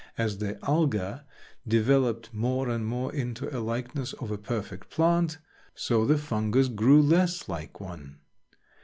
As the Alga developed more and more into a likeness of a perfect plant, so the Fungus grew less like one.